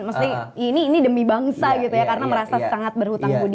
mesti ini demi bangsa gitu ya karena merasa sangat berhutang budi